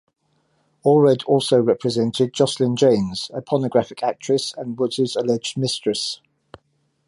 Allred also represented Joslyn James, a pornographic actress and Woods's alleged mistress.